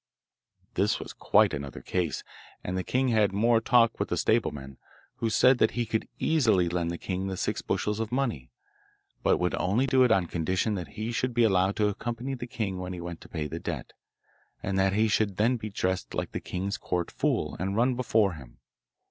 This was quite another case, and the king had more talk with the stableman, who said that he could easily lend the king the six bushels of money, but would only do it on condition that he should be allowed to accompany the king when he went to pay the debt, and that he should then be dressed like the king's court fool, and run before him.